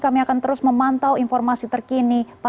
kami akan terus memantau informasi terkini